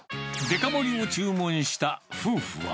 デカ盛りを注文した夫婦は。